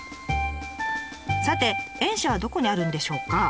さて園舎はどこにあるんでしょうか。